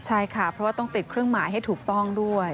ใช่ค่ะเพราะว่าต้องติดเครื่องหมายให้ถูกต้องด้วย